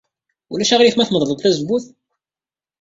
Ulac aɣilif ma tmedled tazewwut?